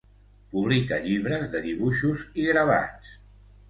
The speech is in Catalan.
Publica llibres de dibuixos i gravats.